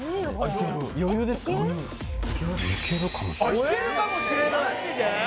あっいけるかもしれないマジで？